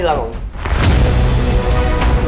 lagian ini kamu ngapain cari teman